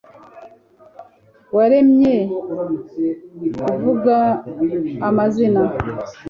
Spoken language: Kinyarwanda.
waremye vy'ivug'amazina, +r